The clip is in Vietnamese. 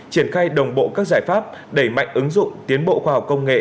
triển khai đồng bộ các giải pháp đẩy mạnh ứng dụng tiến bộ khoa học công nghệ